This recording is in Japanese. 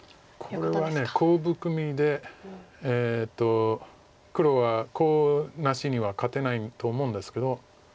これはコウ含みで黒はコウなしには勝てないと思うんですけど。